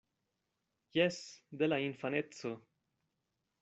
Jes, de la infaneco!